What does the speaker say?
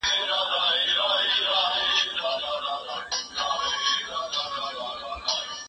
کېدای سي زدکړه سخته وي!.